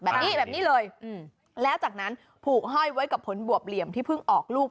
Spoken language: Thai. แบบนี้แบบนี้เลยแล้วจากนั้นผูกห้อยไว้กับผลบวบเหลี่ยมที่เพิ่งออกลูก